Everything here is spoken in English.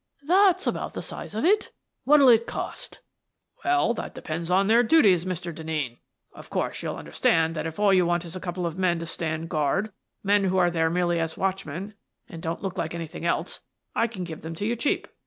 "That's about the size of it What'll it cost?" "Well, that depends on their duties, Mr. Den neen. Of course, you'll understand that if all you want is a couple of men to stand guard — men who are there merely as watchmen and won't look like anything else — I can give them to you cheap.